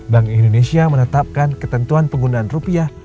bank indonesia menetapkan ketentuan penggunaan rupiah